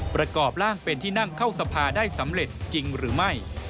ประกอบร่างเป็นที่นั่งเข้าสภาได้สำเร็จจริงหรือไม่